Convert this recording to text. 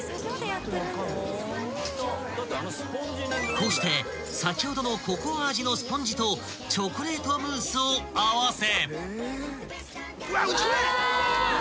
［こうして先ほどのココア味のスポンジとチョコレートムースを合わせ］